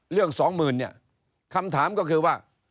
สองหมื่นเนี่ยคำถามก็คือว่า